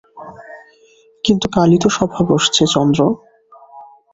কিন্তু কালই তো সভা বসছে– চন্দ্র।